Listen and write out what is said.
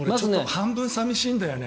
半分寂しいんだよね。